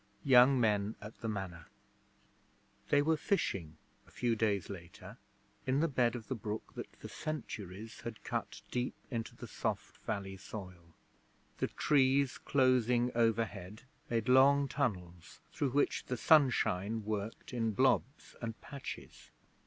YOUNG MEN AT THE MANOR They were fishing, a few days later, in the bed of the brook that for centuries had cut deep into the soft valley soil. The trees closing overhead made long tunnels through which the sunshine worked in blobs and patches.